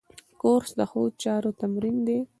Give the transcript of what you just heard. کورس د ښو چارو تمرین دی.